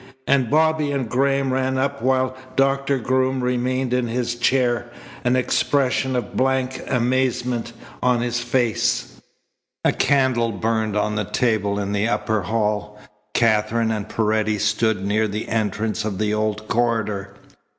And Bobby and Graham ran up while Doctor Groom remained in his chair, an expression of blank amazement on his face. A candle burned on the table in the upper hall. Katherine and Paredes stood near the entrance of the old corridor.